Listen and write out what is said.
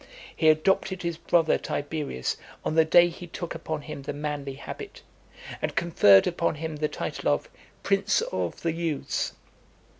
He adopted his brother, Tiberius , on the day he took upon him the manly habit, and conferred upon him the title of "Prince of the Youths."